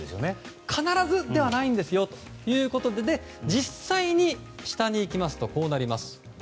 必ずではないんですよということで実際に、こうなります。